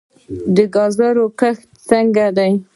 د ګازرو کښت څنګه دی؟